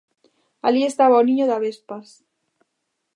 Alí estaba o niño de avespas.